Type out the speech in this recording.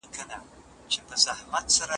الف: د شالمار تسميه وجهه او موقعيت